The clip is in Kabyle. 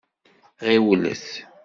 Ɣiwlet.